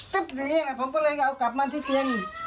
ตั้บเหรียญผมเรื่องน่ะผมก็เลยก็เอากลับมาที่เตียง